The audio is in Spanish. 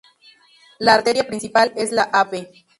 La arteria principal es la Av.